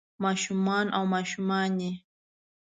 ما شومان او ماشومانے